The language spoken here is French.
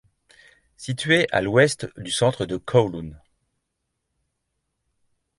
Située à l'ouest du centre de Kowloon.